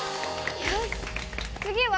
よし次は。